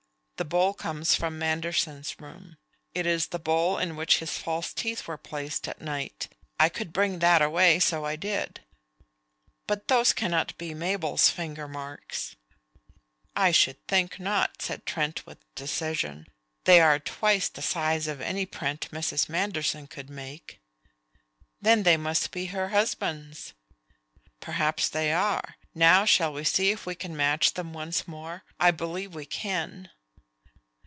The bowl comes from Manderson's room. It is the bowl in which his false teeth were placed at night. I could bring that away, so I did." "But those cannot be Mabel's finger marks." "I should think not!" said Trent with decision. "They are twice the size of any print Mrs. Manderson could make." "Then they must be her husband's." "Perhaps they are. Now shall we see if we can match them once more? I believe we can."